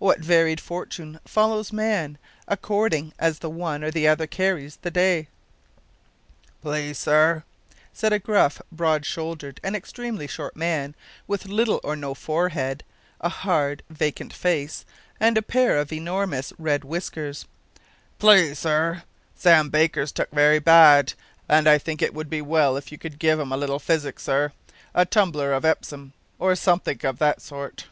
What varied fortune follows man, according as the one or the other carries the day. "Please, sir," said a gruff, broad shouldered, and extremely short man, with little or no forehead, a hard, vacant face, and a pair of enormous red whispers; "please, sir, Sam Baker's took very bad; I think it would be as well if you could give him a little physic, sir; a tumbler of Epsom, or some think of that sort."